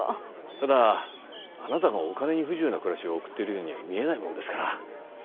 ただあなたがお金に不自由な暮らしを送っているようには見えないものですから。